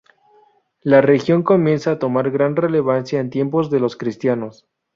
La región comienza a tomar gran relevancia en tiempos de los cristianos.